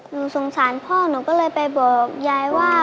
หนูสงสารพ่อหนูก็เลยไปบอกยายว่า